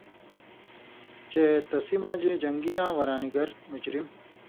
چے تسی مَن٘ژ جَن٘گیاں ورانیگر (مجرم)،